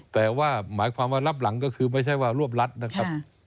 แต่ว่าหมายความว่ารับหลังก็คือไม่ใช่ว่ารวบรัฐนะครับ